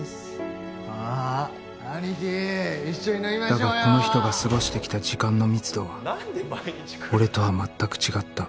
だがこの人が過ごしてきた時間の密度は俺とは全く違った